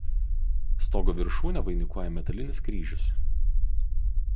Stogo viršūnę vainikuoja metalinis kryžius.